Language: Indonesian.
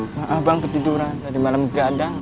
maaf bang ketiduran tadi malam begadang